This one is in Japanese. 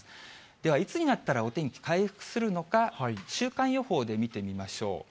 では、いつになったらお天気、回復するのか、週間予報で見てみましょう。